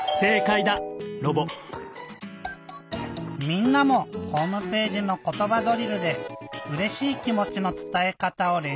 みんなもホームページの「ことばドリル」でうれしい気もちのつたえかたをれんしゅうしよう。